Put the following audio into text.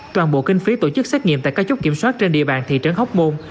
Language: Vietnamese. toàn bộ kinh phí tổ chức xét nghiệm tại các chốt kiểm soát trên địa bàn thị trấn hóc môn